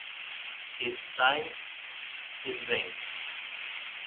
He is trying his wings.